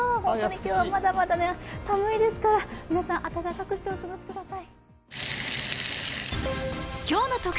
今日はまだまだ寒いですから皆さん、暖かくしてお過ごしください。